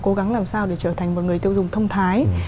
cố gắng làm sao để trở thành một người tiêu dùng thông thái